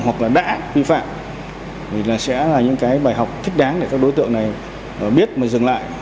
hoặc là đã vi phạm thì là sẽ là những cái bài học thích đáng để các đối tượng này biết mà dừng lại